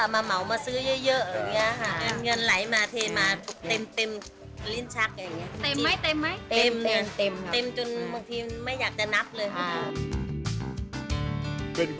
คิกคิกคิกคิกคิกคิกคิก